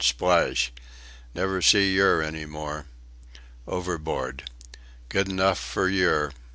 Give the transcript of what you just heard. Splash! Never see yer any more. Overboard! Good 'nuff fur yer."